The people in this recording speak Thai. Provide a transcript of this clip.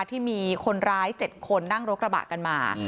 ที่มีคนร้าย๗คนนั่งรถกระบะกันมา